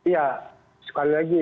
ya sekali lagi